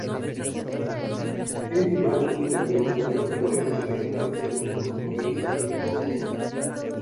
Él y Marilyn leían juntos poesía en los años posteriores a su divorcio.